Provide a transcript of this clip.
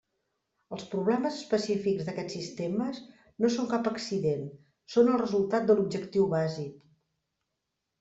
Els problemes específics d'aquests sistemes no són cap accident; són el resultat de l'objectiu bàsic.